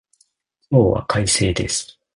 今日は快晴です